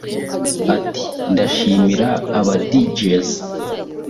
Ati “Ndashimira aba Djs